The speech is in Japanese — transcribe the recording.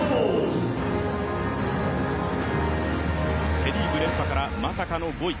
セ・リーグ連覇から、まさかの５位。